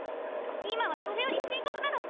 今はそれより深刻なの！